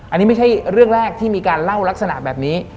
อันนี้ไม่ใช่เรื่องแรกที่มีการเล่าลักษณะแบบนี้